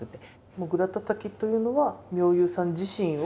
もぐらたたきというのは妙憂さん自身を。